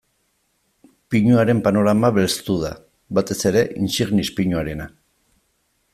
Pinuaren panorama belztu da, batez ere insignis pinuarena.